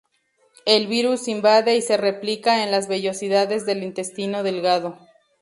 El virus invade y se replica en las vellosidades del intestino delgado.